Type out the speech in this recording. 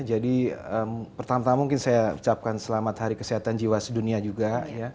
jadi pertama tama mungkin saya ucapkan selamat hari kesehatan jiwa sedunia juga